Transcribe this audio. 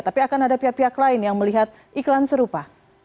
tapi akan ada pihak pihak lain yang melihat iklan serupa